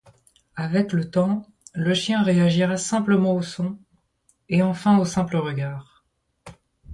Avec le temps, le chien réagira simplement au son, et enfin au simple regard.